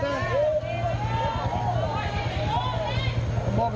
ร่วง